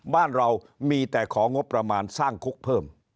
บ้านเรามีแต่ของงบประมาณสร้างคุกเพิ่ม